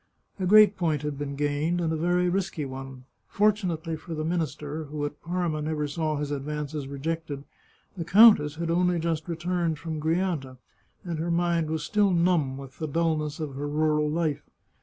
A great point had been gained, and a very risky one. Fortunately for the minister, who at Parma never saw his advances rejected, the countess had only just returned from Grianta, and her mind was still numb with the dulness of her rural life.